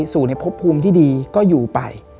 สู่ในพบภูมิที่ดีก็อยู่ไป